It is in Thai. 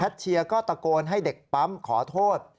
เชียร์ก็ตะโกนให้เด็กปั๊มขอโทษ